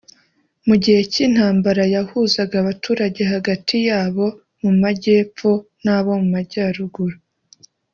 Mu gihe cy’intambara yahuzaga abaturage hagati y’abo mu majyepfon’abo mu majyaruguru